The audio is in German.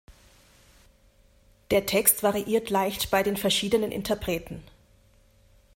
Der Text variiert leicht bei den verschiedenen Interpreten.